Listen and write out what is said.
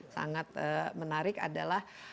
sangat menarik adalah